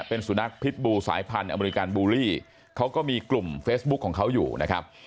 เป็นสุนัขพิษบูสายพันธุ์อเมริกันบูลลี่เขาก็มีกลุ่มเฟซบุ๊คของเขาอยู่นะครับ